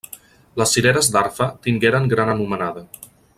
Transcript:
Les cireres d'Arfa tingueren gran anomenada.